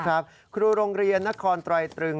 ครับครูโรงเรียนนครตรายตรึง